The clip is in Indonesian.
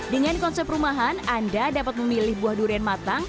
dengan konsep rumahan anda dapat memilih buah durian matang